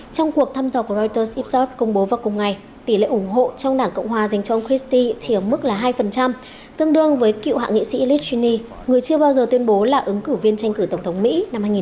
trong cuộc thăm dò của reuters ipsos công bố vào cùng ngày tỷ lệ ủng hộ trong đảng cộng hòa dành cho ông christie chỉ ở mức là hai tương đương với cựu hạ nghị sĩ liz cheney người chưa bao giờ tuyên bố là ứng cử viên tranh cử tổng thống mỹ năm hai nghìn hai mươi bốn